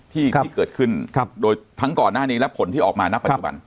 ที่เกิดขึ้นโดยทั้งก่อนหน้านี้และผลที่ออกมาณปัจจุบัน